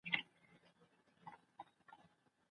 ګاونډیانو په ډېرې چټکۍ سره د کوهي د خولې ډکول جاري وساتل.